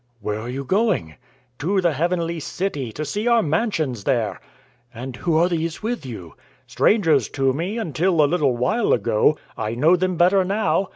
"Where are you going?" "To the heavenly city, to see our mansions there." "And who are these with you?" "Strangers to me, until a little while ago; I know them better now.